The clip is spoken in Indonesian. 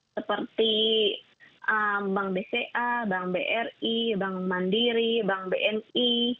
seperti bank bca bank bri bank mandiri bank bni